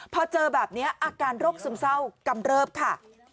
พอเจอแบบนี้อาการโรคซึมเศร้ากำเริบค่ะ